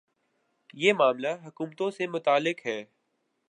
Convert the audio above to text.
یہ معاملہ حکومتوں سے متعلق ہے۔